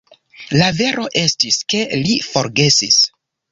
La vero estis, ke li forgesis.